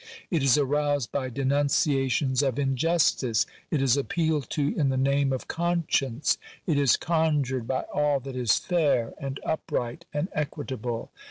It is aroused by denunciations of in justice ; it is appealed to in the name of conscience ; it is con jured by all that is fair and upright and equitable.